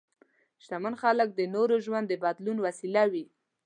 شتمن خلک د نورو ژوند د بدلون وسیله وي.